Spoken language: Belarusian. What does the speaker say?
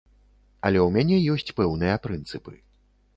Але ў мяне ёсць пэўныя прынцыпы.